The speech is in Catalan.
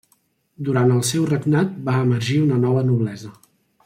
Durant el seu regnat va emergir una nova noblesa.